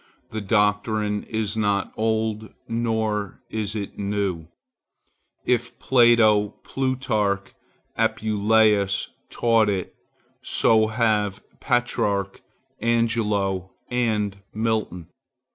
The doctrine is not old, nor is it new. If Plato, Plutarch and Apuleius taught it, so have Petrarch, Angelo and Milton.